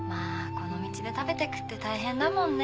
この道で食べていくって大変だもんね